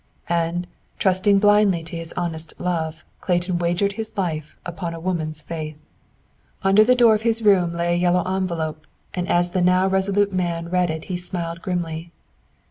And, trusting blindly to his honest love, Clayton wagered his life upon a woman's faith. Under the door of his room lay a yellow envelope, and as the now resolute man read it he smiled grimly.